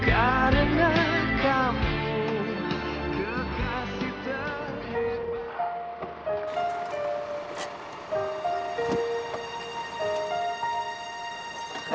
cepetan pilih jeruknya